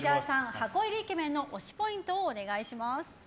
箱入りイケメンの推しポイントお願いします。